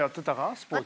スポーツ。